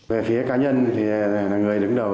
về phía cá nhân thì là người đứng đầu